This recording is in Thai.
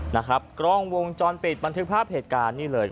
นะครับกล้องวงจรปิดบันทึกภาพเหตุการณ์นี่เลย